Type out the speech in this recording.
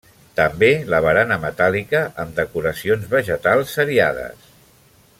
També la barana metàl·lica, amb decoracions vegetals seriades.